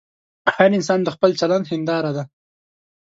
هر انسان د خپل چلند هنداره ده.